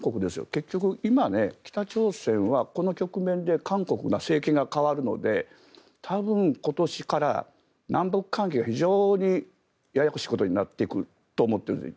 結局今、北朝鮮はこの局面で韓国の政権が代わるので多分、今年から南北関係が非常にややこしいことになっていくと思っているんです。